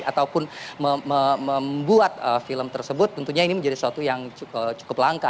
ataupun membuat film tersebut tentunya ini menjadi sesuatu yang cukup langka